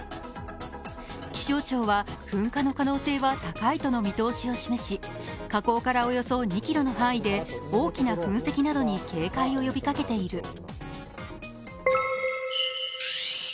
気象庁は噴火の可能性は高いとの見通しを示し火口からおよそ２ｋｍの範囲で大きな噴石などに警戒を呼びかけている。